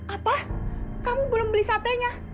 apa kamu belum beli satenya